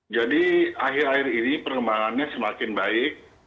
jadi akhir akhir ini pengembangannya semakin baik